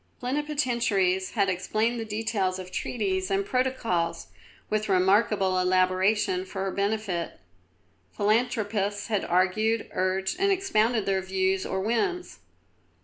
Plenipotentiaries had explained the details of treaties and protocols, with remarkable elaboration, for her benefit. Philanthropists had argued, urged, and expounded their views or whims.